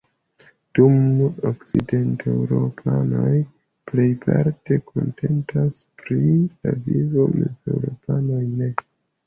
Dum okcidenteŭropanoj plejparte kontentas pri la vivo, mezeŭropanoj ne.